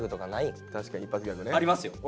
ありますよ。